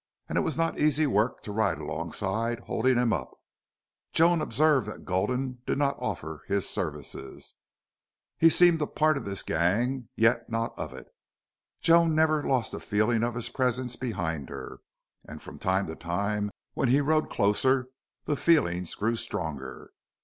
And it was not easy work to ride alongside, holding him up. Joan observed that Gulden did not offer his services. He seemed a part of this gang, yet not of it. Joan never lost a feeling of his presence behind her, and from time to time, when he rode closer, the feeling grew stronger.